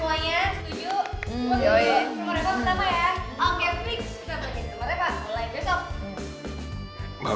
kita pake tempat reva mulai besok